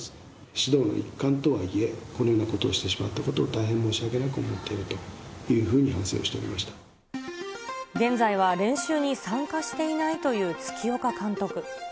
指導の一環とはいえ、このようなことをしてしまったことを大変申し訳なく思っていると現在は練習に参加していないという月岡監督。